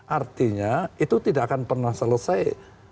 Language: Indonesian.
artinya itu tidak akan pernah selesai